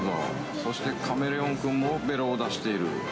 そしてカメレオン君もべろを出している。